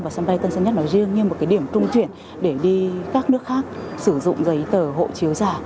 và sân bay tân sơn nhất nói riêng như một cái điểm trung chuyển để đi các nước khác sử dụng giấy tờ hộ chiếu giả